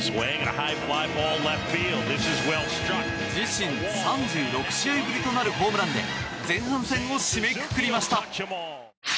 自身３６試合ぶりとなるホームランで前半戦を締めくくりました。